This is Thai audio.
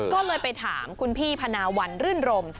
ก็เลยไปถามคุณพี่พนาวันรื่นรม